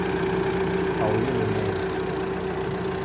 Paulino Neves